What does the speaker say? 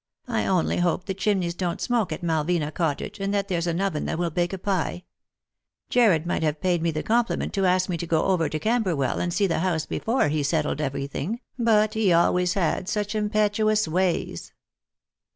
" I only hope the chimneys don't smoke at Malvina Cottage, and that there's an oven that will bake a pie. Jarred might have paid me the compliment to ask me to go over to Camberwell and see the house before he settled everything, but he always had such impetuous ways."